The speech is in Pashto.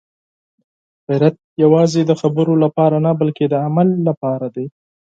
غیرت یوازې د خبرو لپاره نه، بلکې د عمل لپاره دی.